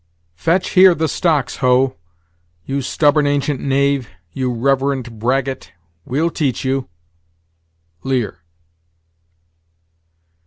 "Fetch here the stocks, ho! You stubborn ancient knave, you reverend bragget, We'll teach you." Lear.